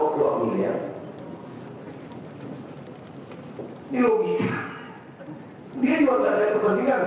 kalau tidak ada kemudian